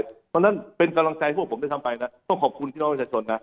เพราะฉะนั้นเป็นกำลังใจพวกผมด้วยซ้ำไปนะต้องขอบคุณพี่น้องประชาชนนะ